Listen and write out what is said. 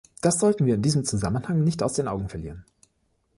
Das sollten wir in diesem Zusammenhang nicht aus den Augen verlieren.